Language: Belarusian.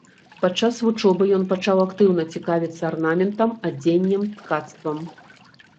Падчас вучобы ён пачаў актыўна цікавіцца арнаментам, адзеннем, ткацтвам.